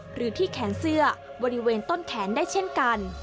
หรือที่แขนเสื้อบริเวณต้นแขนได้เช่นกัน